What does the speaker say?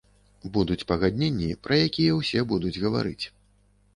Будуць пагадненні, пра якія ўсе будуць гаварыць.